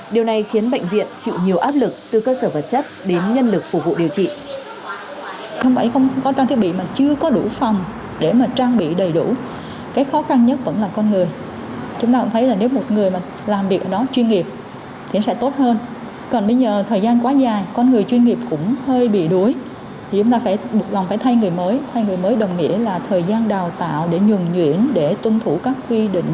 điều này khiến bệnh viện chịu nhiều áp lực từ cơ sở vật chất đến nhân lực phục vụ điều trị